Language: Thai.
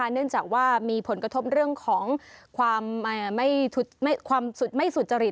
เนื่องจากว่ามีผลกระทบเรื่องของความสุดไม่สุจริต